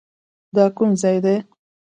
دا کوم ځاى دى.